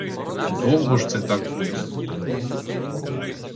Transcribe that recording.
Довго ж це так буде?